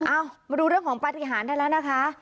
มาดูเรื่องของปฏิหารได้แล้วนะคะ